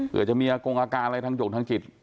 เผื่อจะมีโครงอาการอะไรทั้งจกทั้งจิต